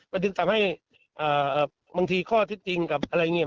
มันจึงทำให้บางทีข้อเท็จจริงกับอะไรอย่างนี้